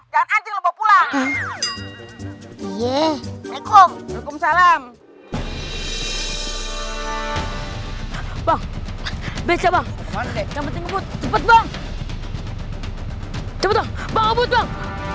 jangan anjing bawa pulang iye alaikum salam bang beca bang cepet bang cepet bang bang